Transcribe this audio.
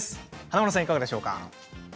華丸さんいかがでしょうか。